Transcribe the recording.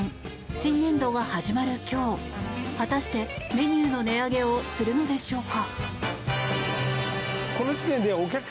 新年度が始まる今日果たしてメニューの値上げをするのでしょうか。